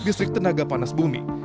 bisrik tenaga panas bumi